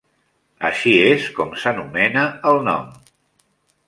Així és com s'anomena el nom.